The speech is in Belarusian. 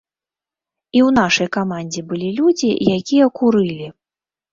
І ў нашай камандзе былі людзі, якія курылі.